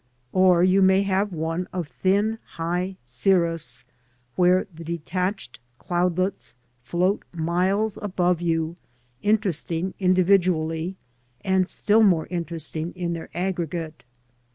Or you may have one of thin high cirrus, where the detached cloudlets float miles above you, interesting individually, and still more interesting in their aggregate.